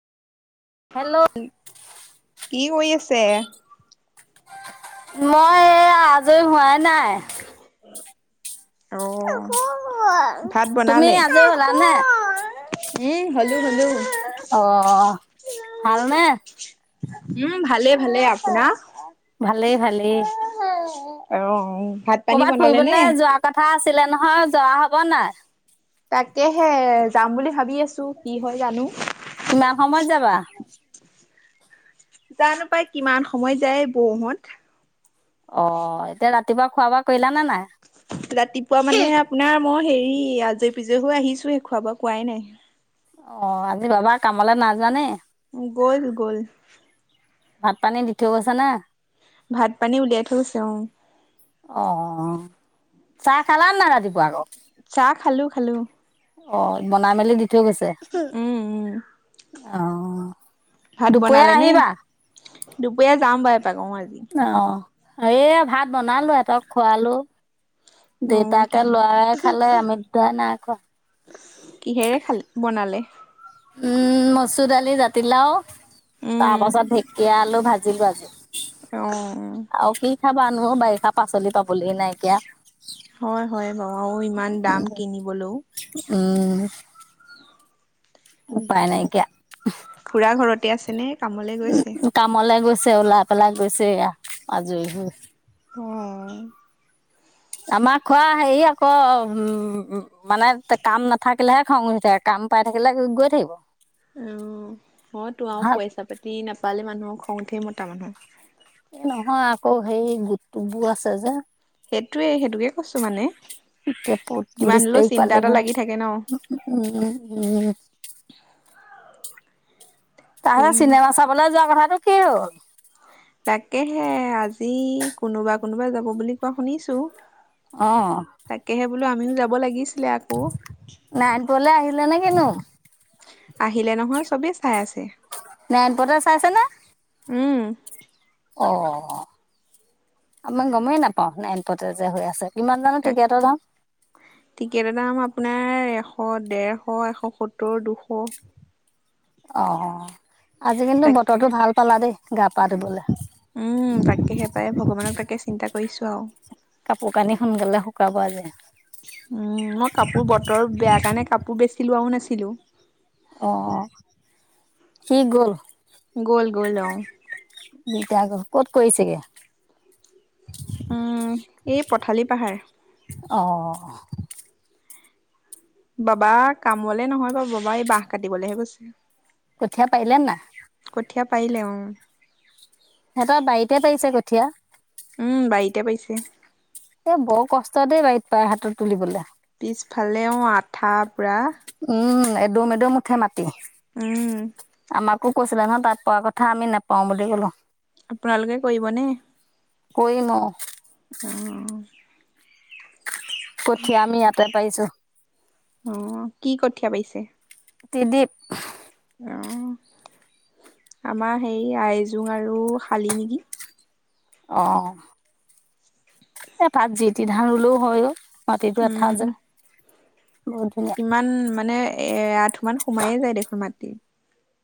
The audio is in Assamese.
হেল্ল, কি কৰি আছে? মই এইয়া, আজৰি হোৱাই নাই। অ, [unintelligible] ভাত তুমি বানালে? আজৰি হলানে [inaudible] উম, হ'লো হ'লো। অ, ভাল নে? উম, ভালে ভালে আপোনাৰ? ভালেই, ভালেই। [inaudible] ক'বাত বনালে নে? ফুৰিবলৈ যোৱা কথা আছিলে নহয় যোৱা হ'ব নাই? তাকেহে যাম বুলি ভাবি আছো কি হয় জানো। কিমান সময়ত যাবা? [unintelligible] জানো পাই কিমান সময়ত যায় বৌহঁত। অ' এতিয়া ৰাতিপুৱা খোৱা বোৱা কৰিলা নে নাই? ৰাতিপুৱা মানে আপোনাৰ মই হেৰি আজৰি পিজৰি হৈ আহিছোহে খোৱা বোৱা কৰাই নাই। অ' আজি বাবা কামলে না যোৱা নে? গ'ল গ'ল। ভাত পানী দি থৈ গৈছা নে? ভাত পানী উলিয়াই থৈ গৈছে অ'। অ' চাহ খালা নে নাই ৰাতিপুৱা আকৌ? চাহ খালোঁ খালোঁ। অ' বনাই মেলি দি থৈ গৈছে। উম, উম অ ভাত দুপৰীয়া বনালে নে? আহিবা দুপৰীয়া যাম বা এপাক অ আজি। অ' এইয়া ভাত বনালো এতক খোৱালো। অ কি দেউতাকে, ল'ৰাই খালে আমি দুটাই নাই খোৱা। কিহেৰে খাল বনালে? উম মচুৰ দালি, জাতিলাও উম তাৰ পাছত ঢেকীয়া, আলু ভা জিলো আজি। অ' উম। আৰু কি খাবা নো অ বাৰিষা পাচলি পাবলৈ নাইকিয়া। হয় হয় বাৰু আৰু ইমান দাম কিনিবলৈও। উম উপায় নাইকিয়া। খুৰা ঘৰতে আছে নে কামলে গৈছে? কামলে গৈছে ওলাই পেলাই গৈছে এয়া আজৰি হৈ। উম আমাৰ খুৰা হেৰি আকৌ ওমমম মানে কাম নাথাকিলেহে খং উঠি থাকে কাম পাই থাকিলে গৈ থাকিব। অ হয় তো আৰু ভাল। পইচা পাতি নাপালে মানুহৰ খং উঠে মতা মানুহৰ। এই নহয় আকৌ সেই গোট বোৰ আছে যে। সেইটোৱে সেইটোকে কৈছো মানে বিশ যিমান হ'লেও তাৰিখ চিন্তা পালেহি এটা লাগি থাকে ন। উম উম তাৰ কি পিছত চিনেমা চাবলৈ যোৱা কথাটো কি হ'ল তাকেহে আজি কোনোবা কোনোবা যাব বুলি কোৱা শুনিছো। অ তাকেহে বোলো আমিও যাব লাগিছিলে আকৌ। নাৰায়ণপুৰলে আহিলে নে কি নো? আহিলে নহয় চবেই চাই আছে। নাৰায়ণপুৰতে চাই আছে নে? উম অ আমি গমেই নাপাওঁ নাৰায়ণপুৰতে যে হৈ আছে। কিমান জানো তাক টিকেটৰ দাম? টিকেটৰ দাম আপোনাৰ এশ, ডেৰশ, এশ সত্তৰ, দুশ অ, আজি কিন্তু তাক বতৰটো ভাল পালা দেই গা-পা ধুবলে। উম তাকেহে পায় ভগৱানক তাকে চিন্তা কৰিছো আও। কাপোৰ কানি সোনকালে শুকাব আজি। উম, মই কাপোৰ বতৰ বেয়া কাৰণে কাপোৰ পোৰ বেছি লোৱাও নাছিলো। অ। সি গ'ল? গ'ল গ'ল অ। দিগদাৰ আক। ক'ত কৰিছেগে? উম, এই পথালি পাহাৰ। অ। বাবা কামলে নহয় বাৰু বাবা এই বাঁহ কাটিবলেহে গৈছে। কঠীয়া পাৰিলে নাই? কঠীয়া পাৰিলে অ। সিহঁতৰ বাৰীতে পাৰিছে কঠীয়া। উম বাৰীতে পাৰিছে। এ বৰ কষ্ট দেই বাৰীত পৰা হাতত তুলিবলে। পিছফালে অ আঠা পুৰা। উম, এদম এদম উঠে মাটি। উম। আমাকো কৈছিলে নহয় তাত পৰা কথা আমি নেপাৰো বুলি ক'লো। আপোনালোকে কৰিবনে? কৰিম অ। উম। কঠীয়া আমি ইয়াতে পাৰিছো। অ। কি কঠীয়া পাৰিছে? ত্ৰিদিপ। অ। আমাৰ হেৰি আইজোং আৰু শালি নিকি। অ, এ তাত যিটি ধান ৰুলেও হয় অ। মাটিটো এঠা যেন। ইমান মানে এয়াঠু মান সোমায়েই যায় দেখোন মাটি।